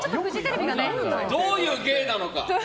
どういう芸なのか。